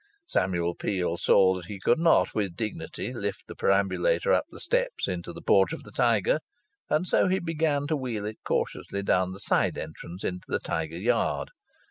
Samuel Peel saw that he could not, with dignity, lift the perambulator up the steps into the porch of the Tiger, and so he began to wheel it cautiously down the side entrance into the Tiger yard.